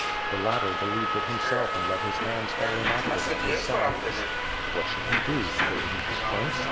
The latter believed it himself and let his hands fall inactive at his sides. What should he do? Go to meet the prince?